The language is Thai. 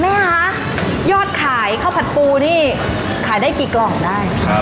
ไหมคะยอดขายข้าวผัดปูนี่ขายได้กี่กล่องได้